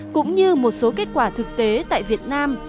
cũng như một số kết quả thực tế tại việt nam